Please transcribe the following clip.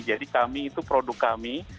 jadi kami itu produk kami